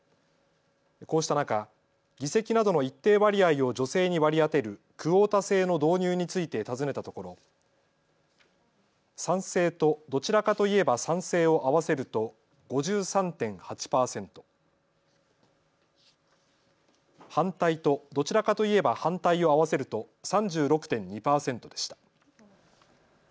こうした中、議席などの一定割合を女性に割り当てるクオータ制の導入について尋ねたところ賛成と、どちらかといえば賛成を合わせると５３．８％、反対と、どちらかといえば反対を合わせると３６．２％でした。